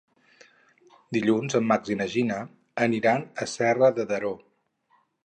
Dilluns en Max i na Gina aniran a Serra de Daró.